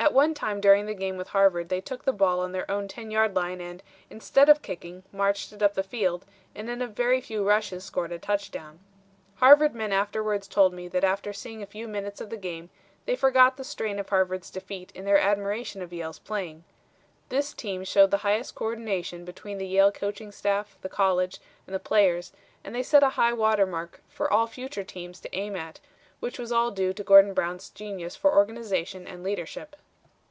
At one time during the game with Harvard they took the ball on their own 10 yard line and, instead of kicking, marched it up the field, and in a very few rushes scored a touchdown. Harvard men afterwards told me that after seeing a few minutes of the game they forgot the strain of Harvard's defeat in their admiration of Yale's playing. This team showed the highest co ordination between the Yale coaching staff, the college, and the players, and they set a high water mark for all future teams to aim at, which was all due to Gordon Brown's genius for organization and leadership."